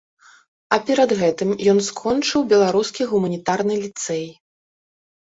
А перад гэтым ён скончыў беларускі гуманітарны ліцэй.